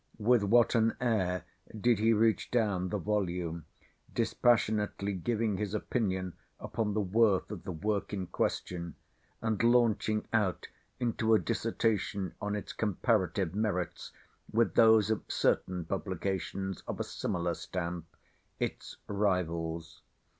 With what an air did he reach down the volume, dispassionately giving his opinion upon the worth of the work in question, and launching out into a dissertation on its comparative merits with those of certain publications of a similar stamp, its rivals!